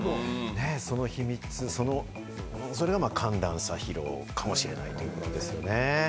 その秘密、それがまぁ、寒暖差疲労かもしれないということですね。